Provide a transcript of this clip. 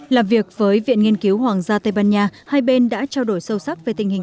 làm việc với viện nghiên cứu hoàng gia tây ban nha hai bên đã trao đổi sâu sắc về tình hình